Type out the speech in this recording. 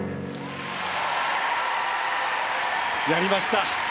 やりました。